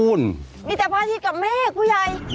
อุ๊ยมีแต่พระอาทิตย์กับแม่คุณใหญ่